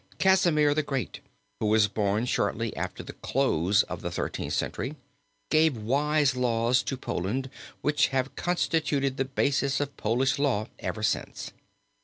Casimir the Great, who was born shortly after the close of the Thirteenth Century, gave wise laws to Poland which have constituted the basis of Polish law ever since.